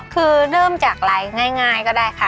คือเริ่มจากไลน์ง่ายก็ได้ค่ะ